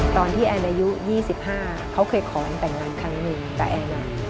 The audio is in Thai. ตอนที่แอนอายุ๒๕เขาเคยขอแต่งงานครั้งหนึ่งแต่แอน